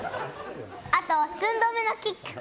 あと、寸止めのキック。